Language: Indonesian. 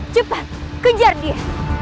cepat kejar dia